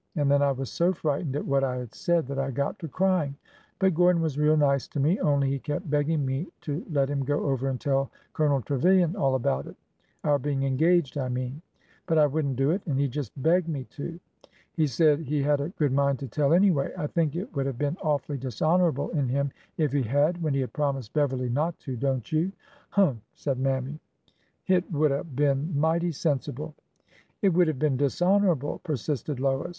And then I was so frightened at what I had said that I got to crying. But Gordon was real nice to me, only he kept begging me to let him go over and tell Colo nel Trevilian all about it — our being engaged, I mean. But I would n't do it— and he just begged me, too. He said he had a good mind to tell, anyway. I think it would have been awfully dishonorable in him if he had— when he had promised Beverly not to. Don't you ?"'' Humph !" said Mammy. '' Hit would 'a' been mighty sensible." It would have been dishonorable," persisted Lois.